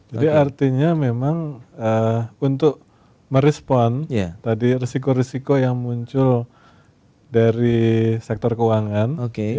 jadi artinya memang untuk merespon tadi risiko risiko yang muncul dari sektor keuangan